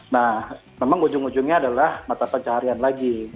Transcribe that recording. nah memang ujung ujungnya adalah mata pencaharian lagi